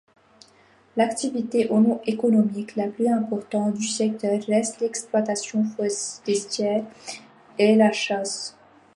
L'activité économique la plus importante du secteur reste l'exploitation forestière et la chasse.